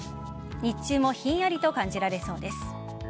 日中もひんやりと感じられそうです。